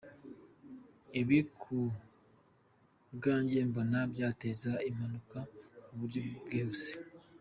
Ibi ku bwanjye mbona byateza impanuka mu buryo bwihuse".